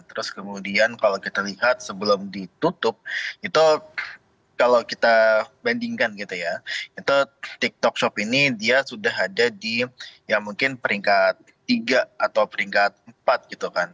terus kemudian kalau kita lihat sebelum ditutup itu kalau kita bandingkan gitu ya itu tiktok shop ini dia sudah ada di ya mungkin peringkat tiga atau peringkat empat gitu kan